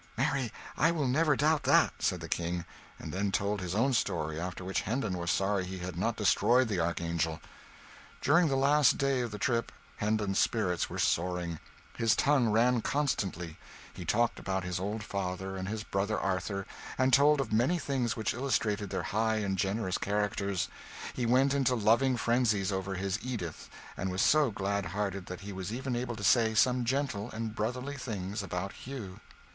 "Marry I will never doubt that!" said the King and then told his own story; after which, Hendon was sorry he had not destroyed the archangel. During the last day of the trip, Hendon's spirits were soaring. His tongue ran constantly. He talked about his old father, and his brother Arthur, and told of many things which illustrated their high and generous characters; he went into loving frenzies over his Edith, and was so glad hearted that he was even able to say some gentle and brotherly things about Hugh.